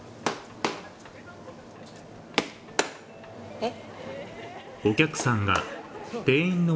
えっ？